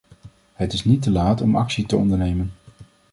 Het is niet te laatom actie te ondernemen.